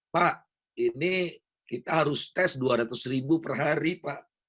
pak ini kita harus tes dua ratus ribu per hari pak